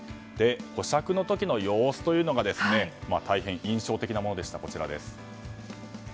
保釈の時の様子というのが大変、印象的なものでした。